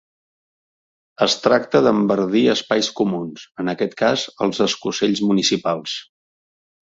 Es tracta d’enverdir espais comuns, en aquest cas, els escocells municipals.